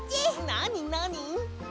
なになに？